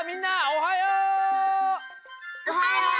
おはよう！